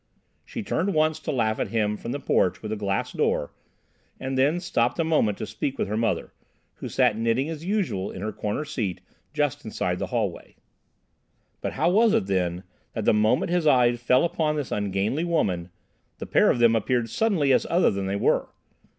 She turned once to laugh at him from the porch with the glass door, and then stopped a moment to speak to her mother, who sat knitting as usual in her corner seat just inside the hall way. But how was it, then, that the moment his eye fell upon this ungainly woman, the pair of them appeared suddenly as other than they were?